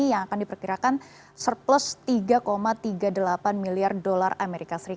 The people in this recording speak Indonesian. yang akan diperkirakan surplus tiga tiga puluh delapan miliar dolar as